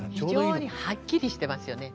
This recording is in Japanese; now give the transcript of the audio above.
非常にはっきりしてますよね。